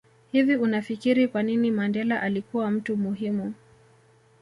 Hivi unafikiri kwanini Mandela alikua mtu muhimu